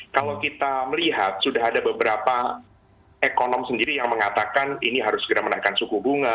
kalau kita melihat sudah ada beberapa ekonom sendiri yang mengatakan ini harus segera menaikkan suku bunga